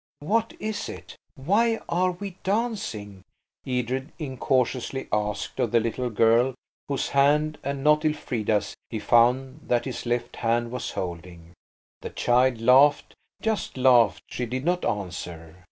"What is it? Why are we dancing?" Edred incautiously asked of the little girl whose hand–and not Elfrida's–he found that his left hand was holding. The child laughed–just laughed, she did not answer.